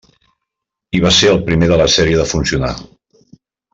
I va ser el primer de la sèrie de funcionar.